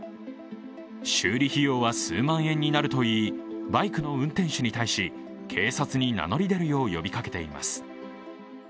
修理費用は数万円になるといい、バイクの運転手に対し警察に名乗り出るよう呼びかけています。